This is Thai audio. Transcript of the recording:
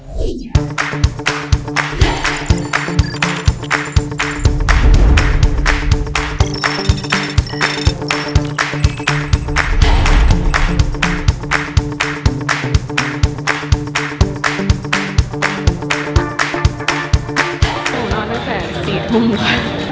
หนูนอนตั้งแต่๔ทุ่มค่ะ